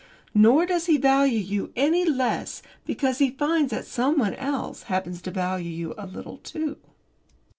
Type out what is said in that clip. Nor does he value you any the less because he finds that someone else happens to value you a little too.